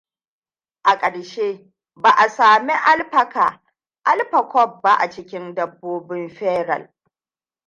A ƙarshe, ba a sami alpaca alpha-CoV ba a cikin dabbobin feral.